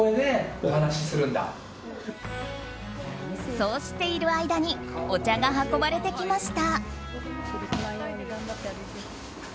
そうしている間にお茶が運ばれてきました。